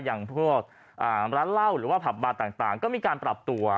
อย่างพวกร้านเหล้าหรือว่าผับบาร์ต่างก็มีการปรับตัว